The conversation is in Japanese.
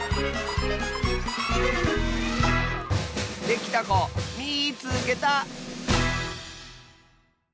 できたこみいつけた！